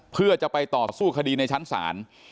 เพื่อจะไปต่อสู้คดีในชั้นศาล